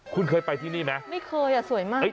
คุณเคยไปที่นี่ไหมไม่เคยอ่ะสวยมาก